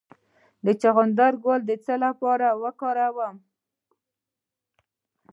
د چغندر ګل د څه لپاره وکاروم؟